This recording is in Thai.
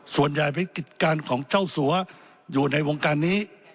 ส่วนใหญ่เป็นกิจการของเจ้าสัวอยู่ในวงการนี้